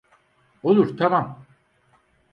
Olur, tamam.